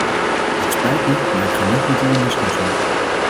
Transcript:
Het spijt me, maar ik ga niet met u in discussie.